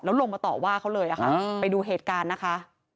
แล้วลงมาต่อว่าเขาเลยค่ะไปดูเหตุการณ์นะคะ